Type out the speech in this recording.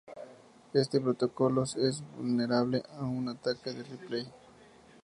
Este protocolo es vulnerable a un ataque de replay.